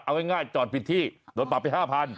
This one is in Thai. เอาง่ายจอดผิดที่โดนปรับไป๕๐๐